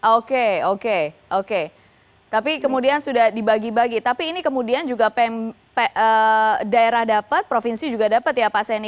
oke oke tapi kemudian sudah dibagi bagi tapi ini kemudian juga daerah dapat provinsi juga dapat ya pak seni